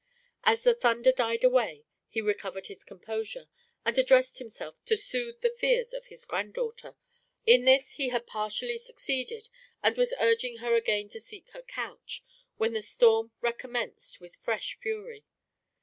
As the thunder died away, he recovered his composure, and addressed himself to soothe the fears of his granddaughter. In this he had partially succeeded, and was urging her again to seek her couch, when the storm recommenced with fresh fury.